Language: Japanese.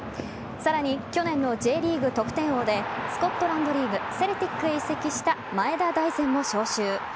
さらに去年のＪリーグ得点王でスコットランドリーグセルティックへ移籍した前田大然も招集。